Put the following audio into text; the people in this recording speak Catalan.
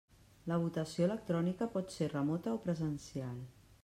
La votació electrònica pot ser remota o presencial.